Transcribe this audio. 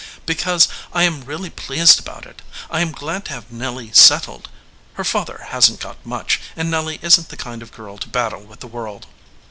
"Because I am really pleased about it. I am glad to have Nelly settled. Her father hasn t got much, and Nelly isn t the kind of girl to battle with the world.